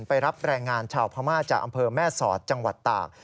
รับแรงงานชาวพม่าจากอำเภอแม่สอดจังหวัดตาก